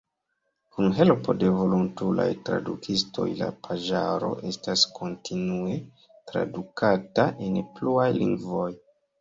Kun helpo de volontulaj tradukistoj la paĝaro estas kontinue tradukata en pluaj lingvoj.